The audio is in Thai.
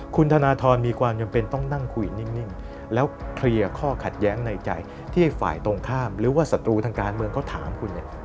คุณธนทรมีความจำเป็นต้องนั่งคุยนิ่งแล้วเคลียร์ข้อขัดแย้งในใจที่ฝ่ายตรงข้ามหรือว่าศัตรูทางการเมืองเขาถามคุณเนี่ย